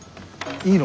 いいの？